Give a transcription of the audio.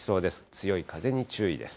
強い風に注意です。